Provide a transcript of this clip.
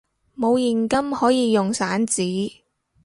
冇現金可以用散紙！